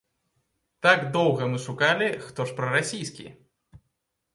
Так доўга мы шукалі, хто ж прарасійскі?